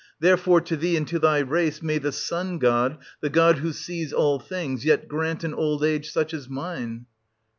Therefore to thee and to thy race may the Sun god, the god who sees all things, yet grant an old age such as mine